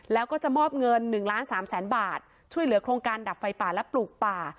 แล้วก็จะมอบเงิน๑ล้าน๓แสนบาทช่วยเหลือโครงการดับไฟป่าและปลูกป่า